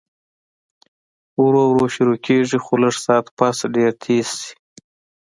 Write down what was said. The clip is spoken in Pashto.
ورو ورو شورو کيږي خو لږ ساعت پس ډېر تېز شي